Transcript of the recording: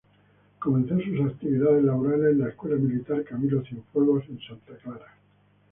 Comenzó sus actividades laborales en la "Escuela Militar Camilo Cienfuegos", en Santa Clara.